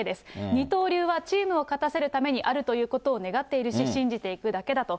二刀流はチームを勝たせるためにあるということを願っているし、信じていくだけだと。